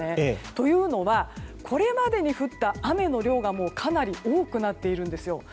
というのはこれまでに降った雨の量がかなり多くなっているんですよ。